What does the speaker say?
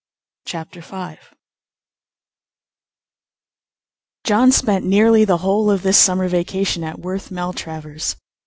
CHAPTER V John spent nearly the whole of this summer vacation at Worth Maltravers.